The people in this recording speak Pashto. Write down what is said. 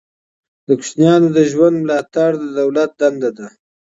د کوچیانو د ژوند ملاتړ د دولت دنده ده.